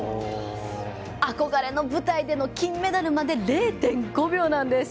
憧れの舞台での金メダルまで０．５秒なんです。